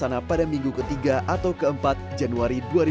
rencana pada minggu ketiga atau keempat januari dua ribu dua puluh